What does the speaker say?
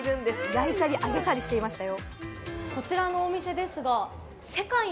焼いたり揚げたりしていましたよ。